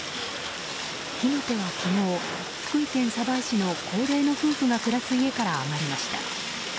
火の手は昨日、福井県鯖江市の高齢の夫婦が暮らす家から上がりました。